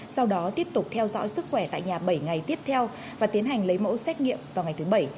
sau đó tiếp tục theo dõi sức khỏe tại nhà bảy ngày tiếp theo và tiến hành lấy mẫu xét nghiệm vào ngày thứ bảy